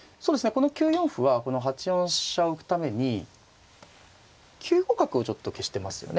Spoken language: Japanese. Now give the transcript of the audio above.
この９四歩はこの８四飛車を浮くために９五角をちょっと消してますよね。